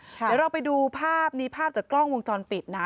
เดี๋ยวเราไปดูภาพนี้ภาพจากกล้องวงจรปิดนะ